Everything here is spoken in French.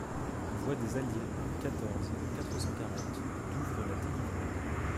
Voie des Alliés, quatorze, quatre cent quarante Douvres-la-Délivrande